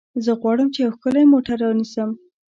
زه غواړم چې یو ښکلی موټر رانیسم.